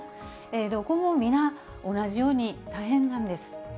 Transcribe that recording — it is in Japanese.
どこも皆、同じように大変なんです。